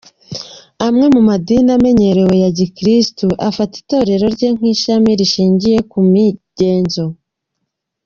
Amwe mu madini amenyerewe ya gikirisitu afata itorero rye nk'ishami rishingiye ku migenzo.